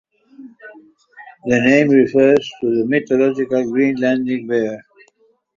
The name refers to the mythological Greenlandic bear.